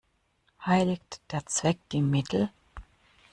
Heiligt der Zweck die Mittel?